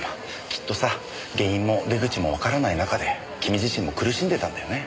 きっとさ原因も出口もわからない中で君自身も苦しんでたんだよね。